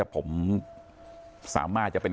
ผมสามารถจะเป็น